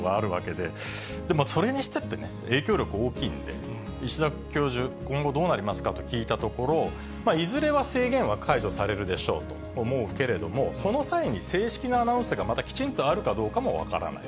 でもそれにしたってね、影響力大きいんで、石田教授、今後どうなりますかと聞いたところ、いずれは制限は解除されるでしょうと思うけれども、その際に正式なアナウンスがきちんとあるかどうかも分からない。